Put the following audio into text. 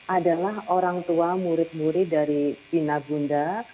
adalah orang tua murid murid dari ina bunda